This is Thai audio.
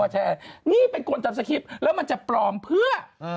ว่าใช้นี่เป็นควรจับสคริปท์แล้วมันจะปลอมเพื่อ